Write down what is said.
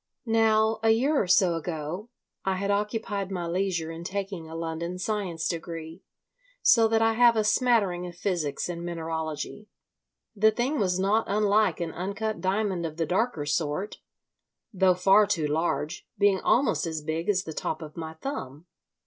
Now, a year or so ago, I had occupied my leisure in taking a London science degree, so that I have a smattering of physics and mineralogy. The thing was not unlike an uncut diamond of the darker sort, though far too large, being almost as big as the top of my thumb.